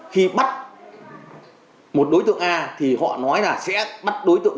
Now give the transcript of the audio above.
khi bắt một đối tượng a thì họ nói là sẽ bắt đối tượng